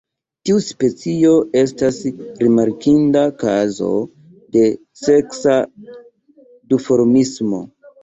Tiu specio estas rimarkinda kazo de seksa duformismo.